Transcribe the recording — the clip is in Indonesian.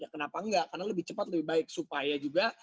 kenapa enggak karena lebih cepat lebih baik supaya juga